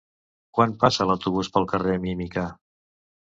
Quan passa l'autobús pel carrer Mímica?